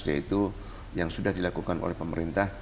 yaitu yang sudah dilakukan oleh pemerintah